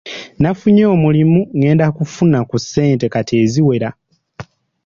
Nafunye omulimu ngenda kufuna ku ssente kati eziwera.